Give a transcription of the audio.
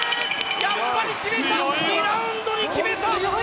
やっぱり２ラウンドで決めた！